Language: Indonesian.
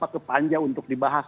ke panja untuk dibahas